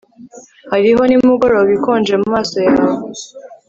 hariho nimugoroba ikonje mumaso yawe